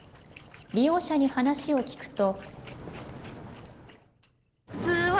利用者に話を聞くと。